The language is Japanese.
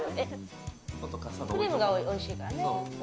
クリームがおいしいからね。